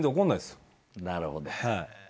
なるほど。